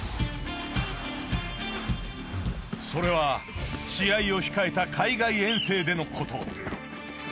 それは試合を控えた海外遠征でのこと